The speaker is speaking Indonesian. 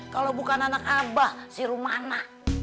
kalau bukan anak abah si rumahna